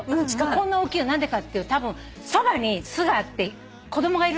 こんな大きいの何でかたぶんそばに巣があって子供がいるのよ。